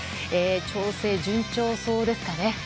調整順調そうですかね。